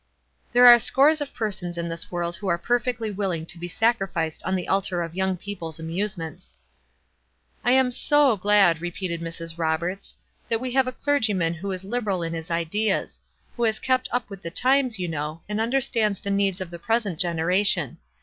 There are scores of persons in this world who are perfectly willing to be sacrificed on the altar of young people's amusements. "I am 6 o glad," repeated Mrs. Roberts, "that we have a clergyman who is liberal in his ideas — who has kept up with the times, you know, and understands the needs of the present gen eration.